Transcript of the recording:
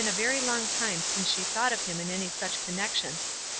a very long time since she had thought of him in any such connection.